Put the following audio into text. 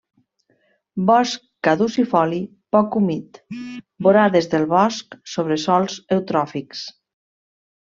Bosc caducifoli poc humit, vorades del bosc sobre sòls eutròfics.